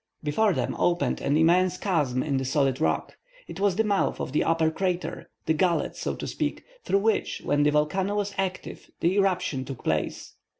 Before them opened an immense chasm in the solid rock. It was the mouth of the upper crater, the gullet, so to speak, through which, when the volcano was active, the eruption took place.